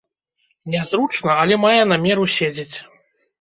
Нязручна, але мае намер уседзець.